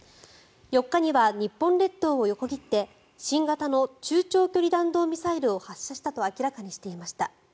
４日には日本列島を横切って新型の中長距離弾道ミサイルを発射したと明らかにしていました。